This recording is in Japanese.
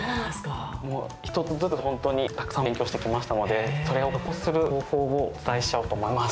もう一つずつほんとにたくさん勉強してきましたのでそれを加工する方法をお伝えしちゃおうと思います。